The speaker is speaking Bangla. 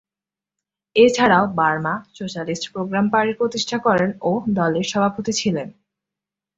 এছাড়াও, বার্মা সোশ্যালিস্ট প্রোগ্রাম পার্টি প্রতিষ্ঠা করেন ও দলের সভাপতি ছিলেন।